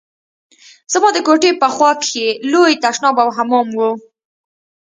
زما د کوټې په خوا کښې ښه لوى تشناب او حمام و.